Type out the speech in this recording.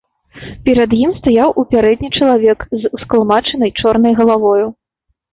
Перад ім стаяў у пярэдні чалавек з ускалмачанай чорнай галавою.